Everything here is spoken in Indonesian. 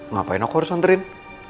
ngapain aku harus anterin